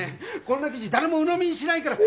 こんな記事誰もうのみにしないから。